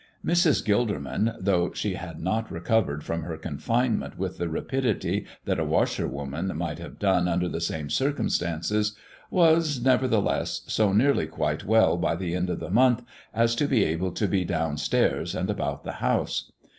Mrs. Gilderman, though she had not recovered from her confinement with the rapidity that a washerwoman might have done under the same circumstances, was, nevertheless, so nearly quite well by the end of the month as to be able to be down stairs and about the house.